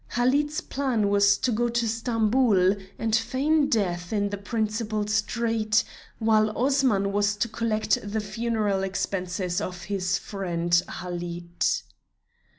Halid's plan was to go to Stamboul, and feign death in the principal street, while Osman was to collect the funeral expenses of his friend Halid.